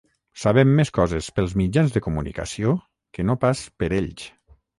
Sabem més coses pels mitjans de comunicació que no pas per ells.